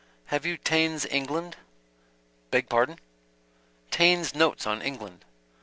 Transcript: "Have you Taine's England?" "Beg pardon?" "Taine's Notes on England."